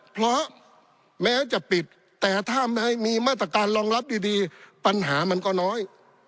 เพราะแม้จะปิดแต่ถ้ามีมาตรการรองรับดีปัญหามันก็น้อย